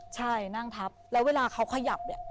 ใช่นั่งทับแล้วเวลาเขาขยับเนี่ย